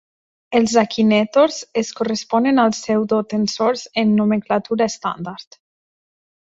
Els "akinetors" es corresponen als pseudotensors en nomenclatura estàndard.